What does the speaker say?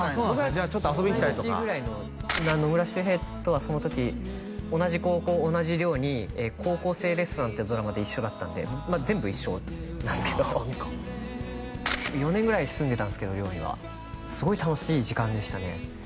じゃあちょっと遊びに来たりとか同い年ぐらいの野村周平とはその時同じ高校同じ寮に「高校生レストラン」ってドラマで一緒だったんでまあ全部一緒なんすけどああそうかも４年ぐらい住んでたんですけど寮にはすごい楽しい時間でしたね